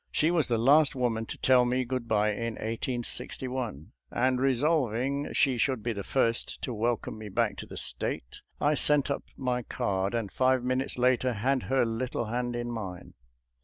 She was the last woman to tell me good by in 1861, and resolv ing she should be the first to welcome me back to the State, I sent up my card, and five minutes later had her little hand in mine.